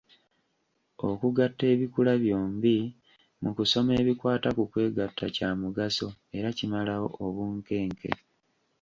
Okugatta ebikula byombi mu kusoma ebikwata ku kwegatta kya mugaso era kimalawo obunkenke.